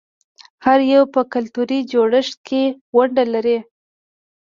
هر یو په کلتوري جوړښت کې ونډه لري.